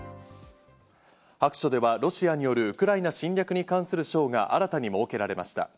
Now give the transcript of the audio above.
白書ではロシアによるウクライナ侵略に関する章が新たに設けられました。